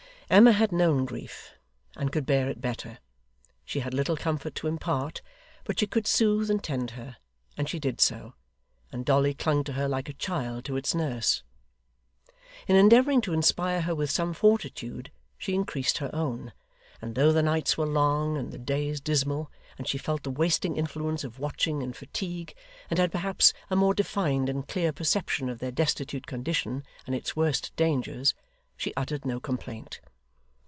Emma had known grief, and could bear it better. She had little comfort to impart, but she could soothe and tend her, and she did so; and Dolly clung to her like a child to its nurse. In endeavouring to inspire her with some fortitude, she increased her own; and though the nights were long, and the days dismal, and she felt the wasting influence of watching and fatigue, and had perhaps a more defined and clear perception of their destitute condition and its worst dangers, she uttered no complaint.